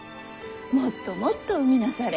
もっともっと産みなされ。